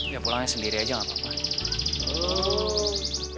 ya pulangnya sendiri aja gak apa apa